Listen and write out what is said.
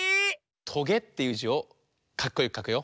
「とげ」っていう「じ」をかっこよくかくよ。